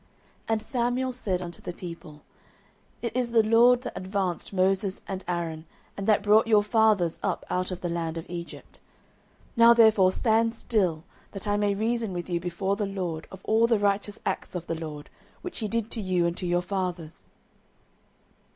09:012:006 And Samuel said unto the people, It is the LORD that advanced Moses and Aaron, and that brought your fathers up out of the land of Egypt. 09:012:007 Now therefore stand still, that I may reason with you before the LORD of all the righteous acts of the LORD, which he did to you and to your fathers.